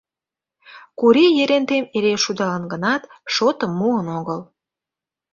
Кури Ерентем эре шудалын гынат, шотым муын огыл.